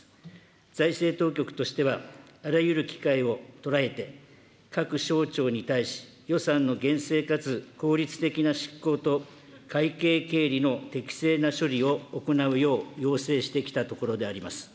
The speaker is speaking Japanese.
財政当局としては、あらゆる機会を捉えて、各省庁に対し、予算の厳正かつ効率的な執行と会計経理の適正な処理を行うよう要請してきたところであります。